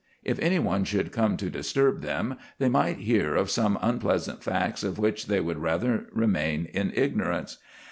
If any one should come to disturb them, they might hear of some unpleasant facts of which they would rather remain in ignorance.